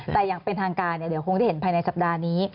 แต่อย่างเป็นทางการเดี๋ยวคงได้เห็นภายในสัปดาห์นี้